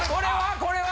これは？